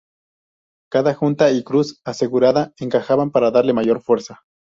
Cada junta y cruz asegurada encajaban para darle mayor fuerza.